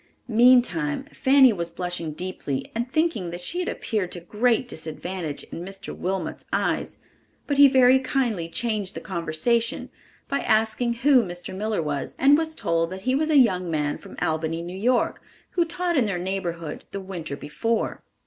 Meantime Fanny was blushing deeply and thinking that she had appeared to great disadvantage in Mr. Wilmot's eyes; but he very kindly changed the conversation by asking who Mr. Miller was, and was told that he was a young man from Albany, New York, who taught in their neighborhood the winter before.